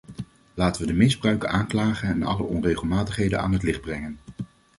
Laten we de misbruiken aanklagen en alle onregelmatigheden aan het licht brengen.